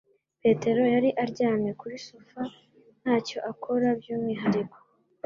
Petero yari aryamye kuri sofa ntacyo akora byumwihariko